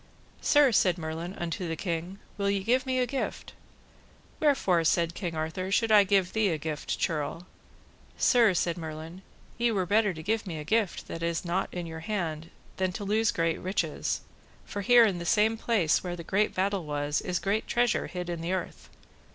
Sir, said Merlin unto the king, will ye give me a gift? Wherefore, said King Arthur, should I give thee a gift, churl? Sir, said Merlin, ye were better to give me a gift that is not in your hand than to lose great riches, for here in the same place where the great battle was, is great treasure hid in the earth.